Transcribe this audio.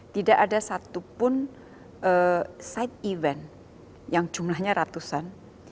tidak ada satupun side event yang jumlahnya ratusan